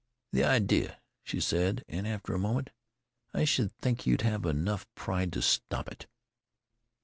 "The idea," she said, and after a moment: "I should think you'd have enough pride to stop it."